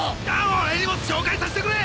俺にも紹介させてくれ！